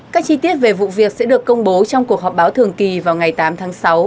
các chi tiết về vụ việc sẽ được công bố trong cuộc họp báo thường kỳ vào ngày tám tháng sáu